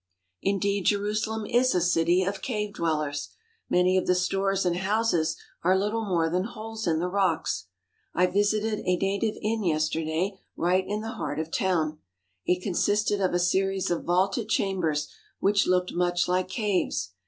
Indeed, Jerusalem is a city of cave dwellers. Many of the stores and houses are little more than holes in the rocks. I visited a native inn yesterday right in the heart of the town. It consisted of a series of vaulted chambers which looked much like caves.